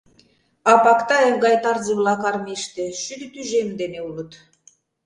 А Пактаев гай тарзе-влак армийыште шӱдӧ тӱжем дене улыт.